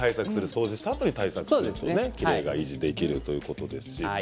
最初に対策するときれいが維持できるということです。